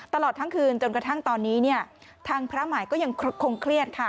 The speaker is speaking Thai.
ตลอดทั้งคืนจนกระทั่งตอนนี้เนี่ยทางพระหมายก็ยังคงเครียดค่ะ